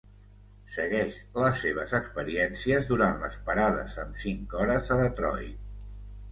Segueix les seves experiències durant les parades amb cinc hores a Detroit.